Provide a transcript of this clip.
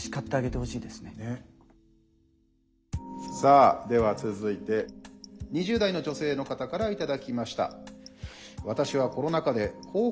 さあでは続いて２０代の女性の方から頂きました。